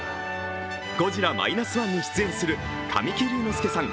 「ゴジラ−１．０」に出演する神木隆之介さん